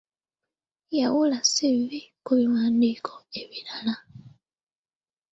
Yawula 'ssivvi' ku biwandiiko ebirala.